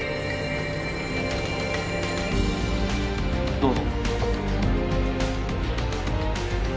どうぞ。